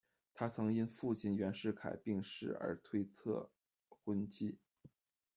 他曾因父亲袁世凯病逝而推测婚期。